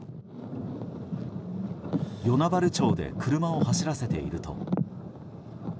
与那原町で車を走らせていると。